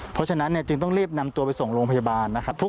เพราะฉะนั้นเนี่ยจึงต้องรีบนำตัวไปส่งโรงพยาบาลนะครับ